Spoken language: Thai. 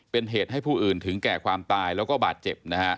เป็นเหตุให้ผู้อื่นถึงแก่ความตายแล้วก็บาดเจ็บนะฮะ